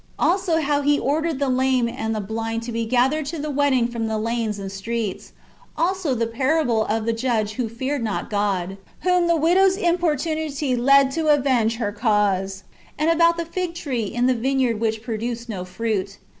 [Book ni how He ordered the lame and the blind to be gathered to the wedding from the lanes and streets ;^ also the parable of the judge Vvdio feared not God, whom the widow's importunity led to avenge her cause ;^ and about the fig tree in the vine yard which produced no fruit.